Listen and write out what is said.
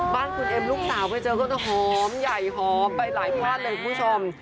บ้านคุณเอ็มลูกสาวไปเจอก็จะหอมใหญ่หอมไปหลายภาคเลยคุณผู้ชม